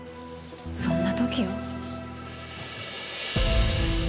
そんな時よ。